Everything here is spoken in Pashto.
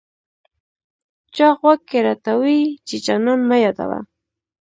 چا غوږ کې راته وویې چې جانان مه یادوه.